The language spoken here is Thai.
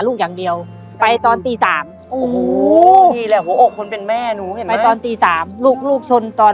ลูกอย่างเดียวไปตอนตี๓โอ้โหจะโดดตอนตี๓ลูกลูกชนตอน